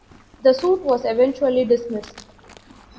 The suit was eventually dismissed.